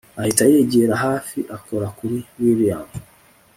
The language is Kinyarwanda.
ahita yegera hafi akora kuri william